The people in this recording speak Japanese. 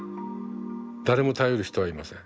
誰も頼る人はいません。